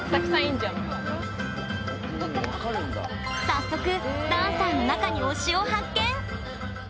早速、ダンサーの中に推しを発見。